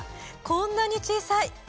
こんなに小さい！